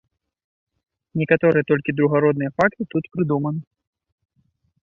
Некаторыя толькі другарадныя факты тут прыдуманы.